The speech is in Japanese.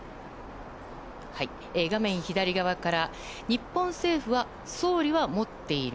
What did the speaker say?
画面左側から、日本政府は総理は持っている。